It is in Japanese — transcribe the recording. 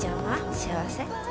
幸せ？